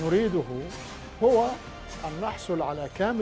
kehidupan terkait kerajaan kami